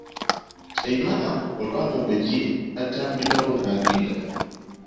Kayima olwamuwa eggi n'atambulirawo n'agenda.